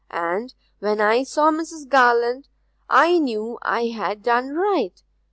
And when I saw Mrs. Garland I knew I had done right.